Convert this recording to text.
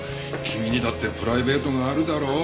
君にだってプライベートがあるだろ？